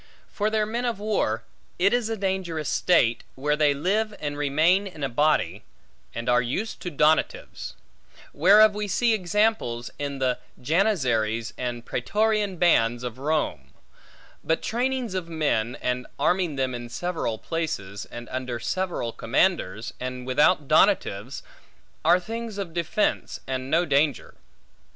For their men of war; it is a dangerous state, where they live and remain in a body, and are used to donatives; whereof we see examples in the janizaries, and pretorian bands of Rome; but trainings of men, and arming them in several places, and under several commanders, and without donatives, are things of defence, and no danger.